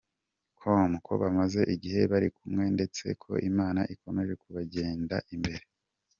com ko bamaze igihe bari kumwe ndetse ko Imana ikomeje kubagenda imbere.